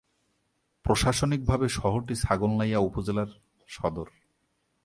প্রশাসনিকভাবে শহরটি ছাগলনাইয়া উপজেলার সদর।